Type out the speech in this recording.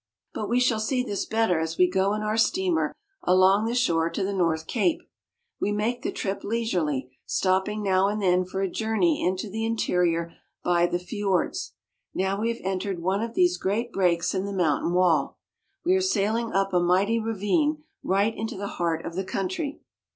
But we shall see this better as we go in our steamer along the shore to the North Cape. We make the trip leisurely, stopping now and then for a journey into the interior by the fiords. Now we have entered one of these great breaks in the mountain wall. We are sailing up a mighty ravine, right into the heart of the country.